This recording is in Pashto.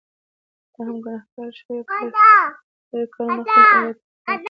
ته هم ګنهګار شوې، پرتا هم په درې کاڼو خپله عورته طلاقه شوه.